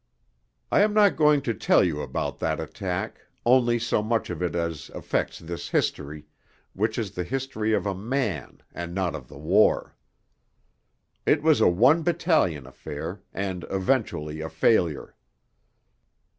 III I am not going to tell you all about that attack, only so much of it as affects this history, which is the history of a man and not of the war. It was a one battalion affair, and eventually a failure.